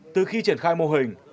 từ khi triển khai mô hình